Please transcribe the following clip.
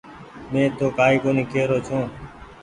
مين تو ڪآئي ڪونيٚ ڪي رو ڇي۔